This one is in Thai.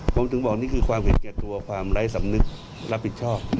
ผมถึงบอกนี่คือความเห็นแก่ตัวความไร้สำนึกรับผิดชอบ